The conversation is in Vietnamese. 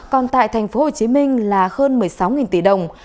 còn tại tp hcm là hơn một mươi sáu tỷ đồng